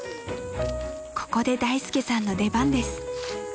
［ここで大介さんの出番です］